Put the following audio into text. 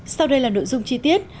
sau đây là nội dung chi tiết